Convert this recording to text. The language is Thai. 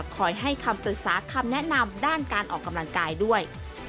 คอยให้คำปรึกษาคำแนะนำด้านการออกกำลังกายด้วย